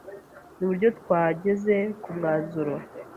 Nuburyo twageze ku mwanzuro.